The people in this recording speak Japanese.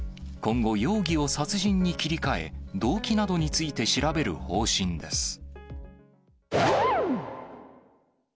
今後、容疑を殺人に切り替え、動機などについて調べる方針です。